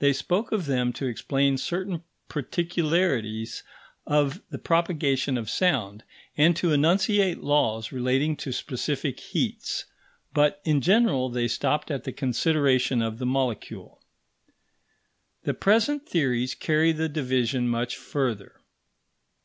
They spoke of them to explain certain particularities of the propagation of sound, and to enunciate laws relating to specific heats; but, in general, they stopped at the consideration of the molecule. The present theories carry the division much further.